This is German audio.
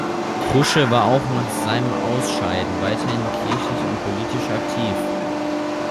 Krusche war auch nach seinem Ausscheiden weiterhin kirchlich und politisch aktiv.